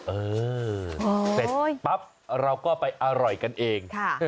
เออเสร็จปั๊บเราก็ไปอร่อยกันเอง